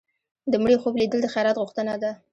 د مړي خوب لیدل د خیرات غوښتنه ده.